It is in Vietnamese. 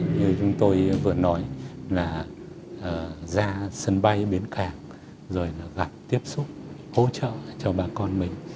như chúng tôi vừa nói là ra sân bay biến cảng rồi là gặp tiếp xúc hỗ trợ cho bà con mình